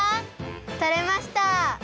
とれました！